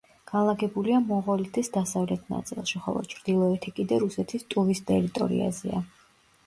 განლაგებულია მონღოლეთის დასავლეთ ნაწილში, ხოლო ჩრდილოეთი კიდე რუსეთის ტუვის ტერიტორიაზეა.